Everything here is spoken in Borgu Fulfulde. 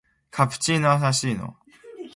Min nun janŋini ɓe rowani ceeɗu.